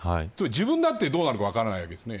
自分だってどうなるか分からないわけです。